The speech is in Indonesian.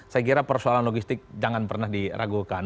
saya kira persoalan logistik jangan pernah diragukan